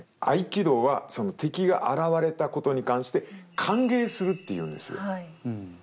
合気道はその敵が現れたことに関して歓迎するっていうんです。